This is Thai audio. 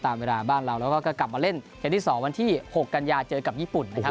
ตามเวลาบ้านเราแล้วก็กลับมาเล่นเกมที่๒วันที่๖กันยาเจอกับญี่ปุ่นนะครับ